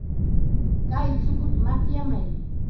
Chay chukuta makyamay.